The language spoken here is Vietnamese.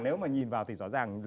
nếu mà nhìn vào thì rõ ràng